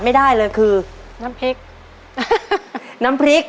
ตัวเลือกที่สี่ชัชวอนโมกศรีครับ